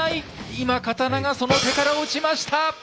今刀がその手から落ちました！